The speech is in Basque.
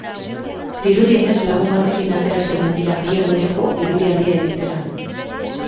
Dirudienez, lagun batekin atera zen mendira, bi eguneko ibilaldia egitera.